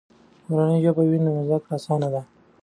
که مورنۍ ژبه وي، نو زده کړه آسانه ده.